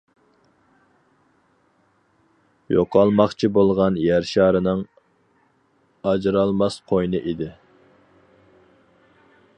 يوقالماقچى بولغان يەر شارىنىڭ ئاجرالماس قوينى ئىدى!